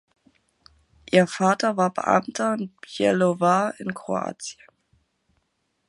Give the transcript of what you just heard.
Ihr Vater war Beamter in Bjelovar in Kroatien.